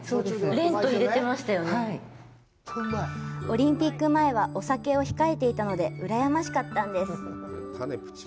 オリンピック前はお酒を控えていたので、うらやましかったんです！